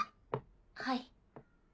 はい。